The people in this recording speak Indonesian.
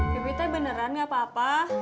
pipi tai beneran nggak apa apa